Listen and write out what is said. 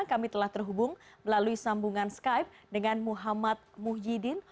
kami telah terhubung melalui sambungan skype dengan muhammad muhyiddin